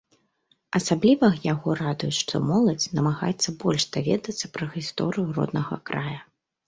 Асабліва яго радуе, што моладзь намагаецца больш даведацца пра гісторыю роднага края.